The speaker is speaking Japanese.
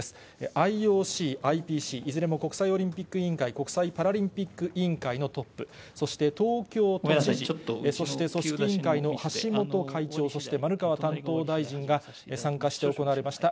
ＩＯＣ、ＩＰＣ、いずれも国際オリンピック委員会、国際パラリンピック委員会のトップ、そして東京都知事、そして組織委員会の橋本会長、そして丸川担当大臣が参加して行われました